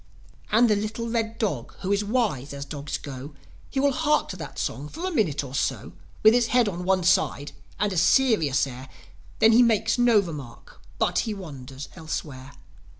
And the little red dog, who is wise as dogs go, He will hark to that song for a minute or so, 'With his head on one side, and a serious air. Then he makes no remark; but he wanders elsewhere.